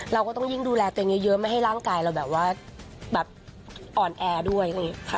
เราก็ต้องยิ่งดูแลตัวเองเยอะไม่ให้ร่างกายเราอ่อนแอด้วย